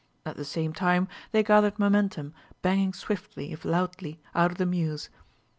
At the same time they gathered momentum, banging swiftly, if loudly out of the mews.